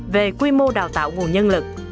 về quy mô đào tạo nguồn nhân lực